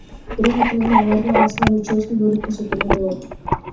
Бирок айтымында, алардын арасынан үчөөсүн бөлүп көрсөтүүгө болот.